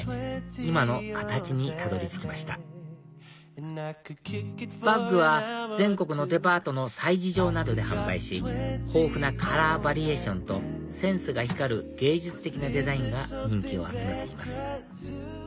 今の形にたどり着きましたバッグは全国のデパートの催事場などで販売し豊富なカラーバリエーションとセンスが光る芸術的なデザインが人気を集めています